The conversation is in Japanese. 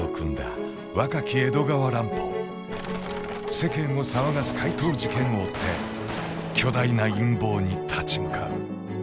世間を騒がす怪盗事件を追って巨大な陰謀に立ち向かう。